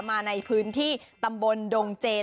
มาในพื้นที่ตำบลดงเจน